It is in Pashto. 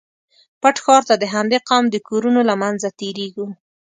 پټ ښار ته د همدې قوم د کورونو له منځه تېرېږو.